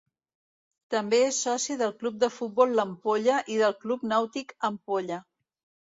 També és soci del Club de Futbol l'Ampolla i del Club Nàutic Ampolla.